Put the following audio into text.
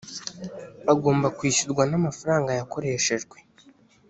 agomba kwishyurwa n amafaranga yakoreshejwe